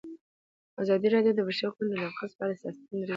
ازادي راډیو د د بشري حقونو نقض په اړه د سیاستوالو دریځ بیان کړی.